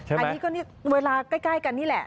อันนี้ก็เวลาใกล้กันนี่แหละ